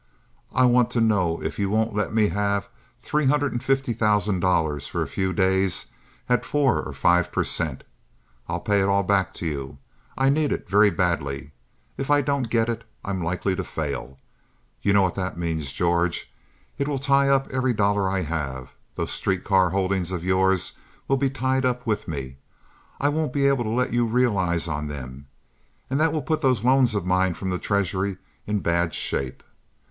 I want to know if you won't let me have three hundred and fifty thousand dollars for a few days at four or five per cent. I'll pay it all back to you. I need it very badly. If I don't get it I'm likely to fail. You know what that means, George. It will tie up every dollar I have. Those street car holdings of yours will be tied up with me. I won't be able to let you realize on them, and that will put those loans of mine from the treasury in bad shape.